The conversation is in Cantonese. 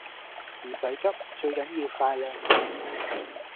唔使急，最緊要快靚正